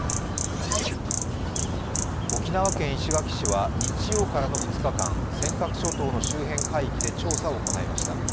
沖縄県石垣市は日曜からの２日間尖閣諸島の周辺海域で調査を行いました。